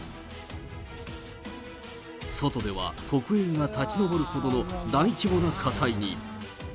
外では黒煙が立ちのぼるほどの、大規模な火災に。